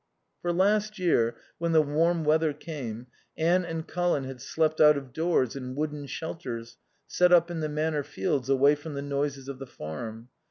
For last year, when the warm weather came, Anne and Colin had slept out of doors in wooden shelters set up in the Manor fields, away from the noises of the farm.